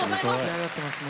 仕上がってますね。